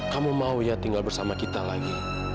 kamu mau ya tinggal bersama kita lagi